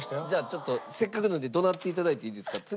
じゃあちょっとせっかくなので怒鳴っていただいていいですか？